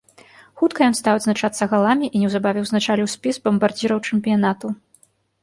Хутка ён стаў адзначацца галамі і неўзабаве ўзначаліў спіс бамбардзіраў чэмпіянату.